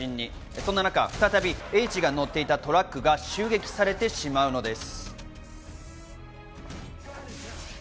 そんな中、再びＨが乗っていたトラックが襲撃されてしまうのです。